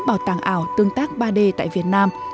bảo tàng ảo tương tác ba d tại việt nam